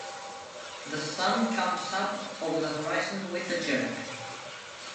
The sun comes up over the horizon with a jerk.